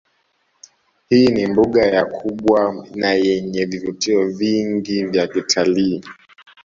Hii ni mbuga ya kubwa nayenye vivutio vingi vya kitalii